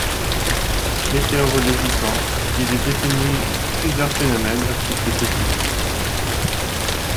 Météorologiquement, il est défini plusieurs phénomènes optiques de ce type.